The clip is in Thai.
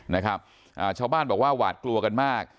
นะครับอ่าชาวบ้านบอกว่าหวาดกลัวกันมาก